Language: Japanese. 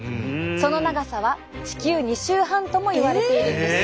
その長さは地球２周半ともいわれているんです。